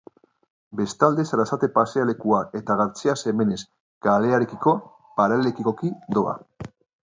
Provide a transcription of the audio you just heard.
Bestalde, Sarasate pasealekua eta Gartzea Semenez kalearekiko paraleloki doa.